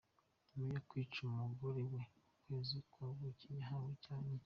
Nyuma yo kwica umugore mu kwezi kwa buki yahamwe n’icyaha